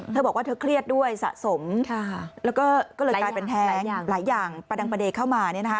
เธอบอกว่าเธอเครียดด้วยสะสมแล้วก็ก็เลยกลายเป็นแท้หลายอย่างประดังประเด็นเข้ามา